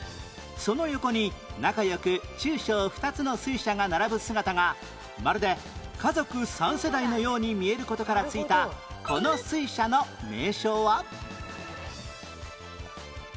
その横に仲良く中小２つの水車が並ぶ姿がまるで家族三世代のように見える事から付いたこの水車の名称は？